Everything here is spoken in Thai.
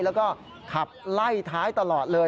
แล้วก็ขับไล่ท้ายตลอดเลย